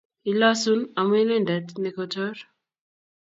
ilasun amun en indendet neikotor